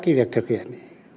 cái việc thực hiện